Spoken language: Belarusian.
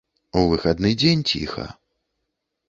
У выхадны дзень ціха.